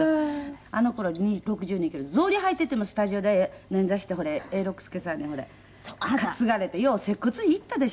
あの頃６２キロで草履履いててもスタジオで捻挫してほれ永六輔さんにほれ担がれてよう接骨院行ったでしょ私。